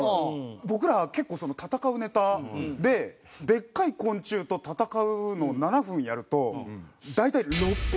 僕ら結構その戦うネタででっかい昆虫と戦うのを７分やると大体。